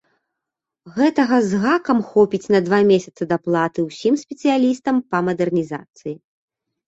Гэтага з гакам хопіць на два месяцы даплатаў усім спецыялістам па мадэрнізацыі.